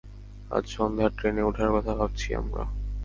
আজ সন্ধ্যার ট্রেনে ওঠার কথা ভাবছি আমরা।